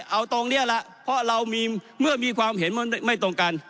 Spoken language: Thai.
เอาตรงนี้แหละเพราะเรามีเมื่อมีความเห็นมันไม่ตรงกัน